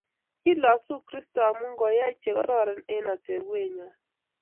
Kilasu kristo amu kiyoy che kororonen eng atepwet nyon